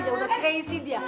ya udah keisi dia